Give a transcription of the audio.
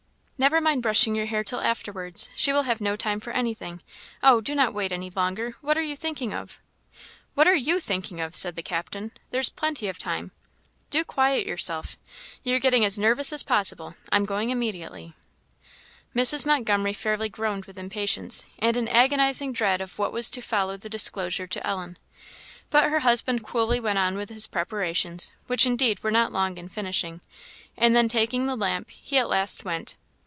"Never mind brushing your hair till afterwards. She will have no time for any thing. Oh! do not wait any longer! what are you thinking of?" "What are you thinking of?" said the captain; "there's plenty of time. Do quiet yourself you're getting as nervous as possible. I'm going immediately." Mrs. Montgomery fairly groaned with impatience, and an agonizing dread of what was to follow the disclosure to Ellen. But her husband coolly went on with his preparations, which indeed were not long in finishing; and then taking the lamp, he at last went.